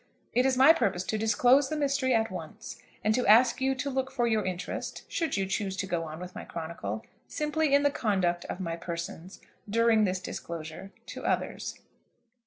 It is my purpose to disclose the mystery at once, and to ask you to look for your interest, should you choose to go on with my chronicle, simply in the conduct of my persons, during this disclosure, to others.